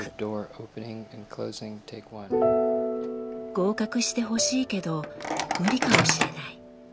合格してほしいけど無理かもしれない。